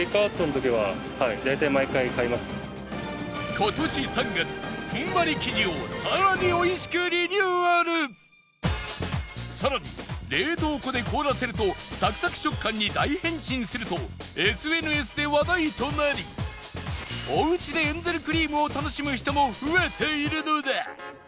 今年３月ふんわり生地をさらに美味しくリニューアルさらに冷凍庫で凍らせるとサクサク食感に大変身すると ＳＮＳ で話題となりおうちでエンゼルクリームを楽しむ人も増えているのだ！